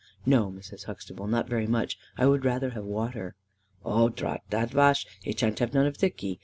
"No, Mrs. Huxtable. Not very much. I would rather have water." "Oh drat that wash, e shan't have none of thiccy.